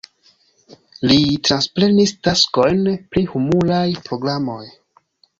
Li transprenis taskojn pri humuraj programoj.